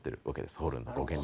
「ホルン」の語源に。